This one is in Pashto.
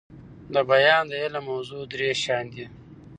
دبیان د علم موضوع درې شيان دي.